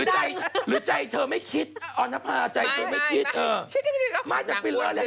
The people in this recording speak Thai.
แต่มันก็ไม่ใช่บวมมาก